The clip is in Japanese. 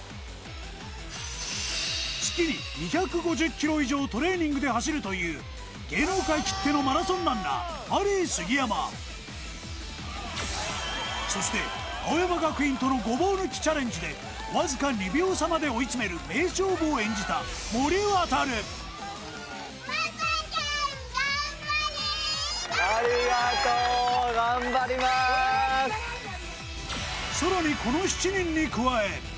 月に２５０ｋｍ以上トレーニングで走るという芸能界きってのマラソンランナーそして青山学院とのごぼう抜きチャレンジでわずか２秒差まで追い詰める名勝負を演じたありがとうさらに